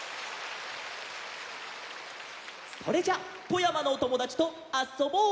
それじゃ富山のおともだちとあそぼう！